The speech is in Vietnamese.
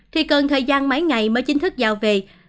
thì cần thời gian mấy ngày mới chính thức giao về